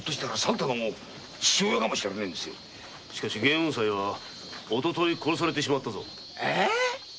しかし眩雲斉はおととい殺されてしまったぞ。